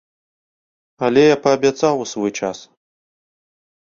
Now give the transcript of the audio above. Але я паабяцаў у свой час.